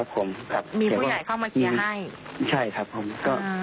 ผมครับมีผู้ใหญ่เข้ามาเคลียร์ให้ใช่ครับผมก็